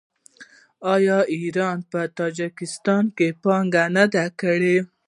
آیا ایران په تاجکستان کې پانګونه نه ده کړې؟